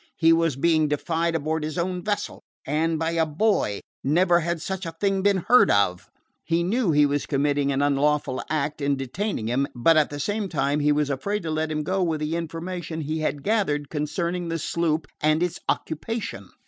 He was being defied aboard his own vessel and by a boy! Never had such a thing been heard of. He knew he was committing an unlawful act in detaining him, but at the same time he was afraid to let him go with the information he had gathered concerning the sloop and its occupation.